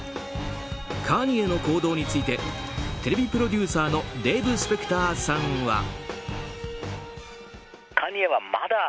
カニエの行動についてテレビプロデューサーのデーブ・スペクターさんは。